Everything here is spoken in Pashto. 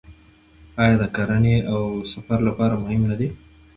آیا دا د کرنې او سفر لپاره مهم نه دی؟